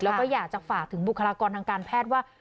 แล้วก็อยากจะฝากถึงบุคลากรทางการแพทย์ว่า